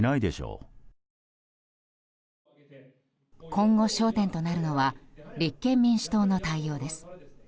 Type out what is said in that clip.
今後、焦点となるのは立憲民主党の対応です。